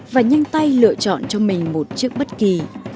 và nhanh tay lựa chọn cho mình một chiếc bất kỳ